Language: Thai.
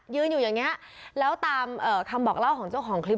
อยู่อย่างนี้แล้วตามคำบอกเล่าของเจ้าของคลิป